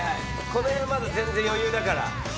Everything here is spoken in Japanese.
この辺はまだ全然余裕だから。